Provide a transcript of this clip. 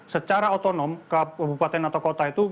secara otonom kabupaten atau kota itu